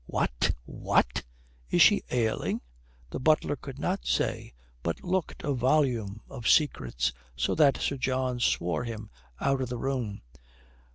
"What, what? Is she ailing?" The butler could not say, but looked a volume of secrets, so that Sir John swore him out of the room.